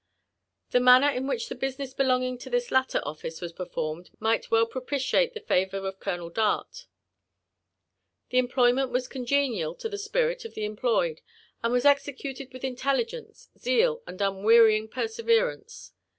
The manner in which the business belonging to this latter oflBce was performed might well propitiate the favour of Colonel Dart. The employment was congenial to the spirit of the employed, and was executed with intelligence, zeal, and uQwearying perseverance.